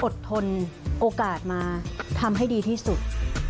อดทนโอกาสมาทำให้ดีที่สุด